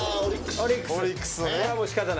オリックスのね。